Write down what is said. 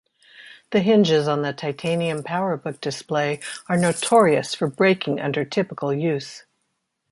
The hinges on the Titanium PowerBook display are notorious for breaking under typical use.